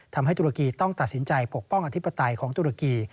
ทำให้ตุรกีต้องตัดสินใจปกป้องอธิบัติของตุรกี